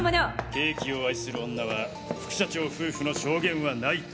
ケーキを愛する女は副社長夫婦の証言はないと。